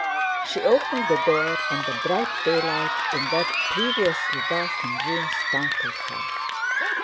She opened the door and the bright daylight in that previously darkened room startled her.